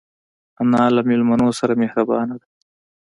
انا له مېلمنو سره مهربانه ده